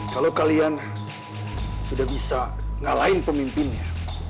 kalau kalian sudah bisa ngalahin pemimpinnya